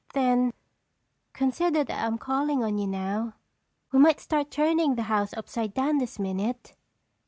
"Then consider that I'm calling on you now. We might start turning the house upside down this minute!"